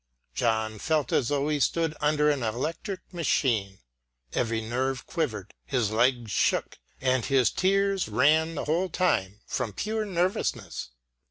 John felt as though he stood under an electric machine. Every nerve quivered, his legs shook, and his tears ran the whole time from pure nervousness.